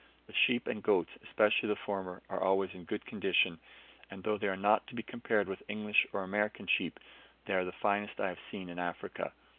The sheep and goats, especially the former, are always in good condition; and though they are not to be compared with English or American sheep, they are the finest I have seen in Africa.